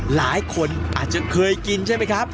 หลายคนอาจจะเคยกินใช่ไหมครับ